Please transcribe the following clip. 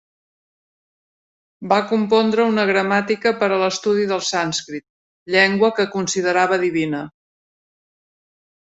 Va compondre una gramàtica per a l'estudi del sànscrit, llengua que considerava divina.